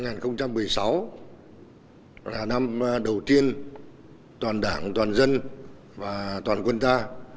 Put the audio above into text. năm hai nghìn một mươi sáu là năm đầu tiên toàn đảng toàn dân và toàn quân ta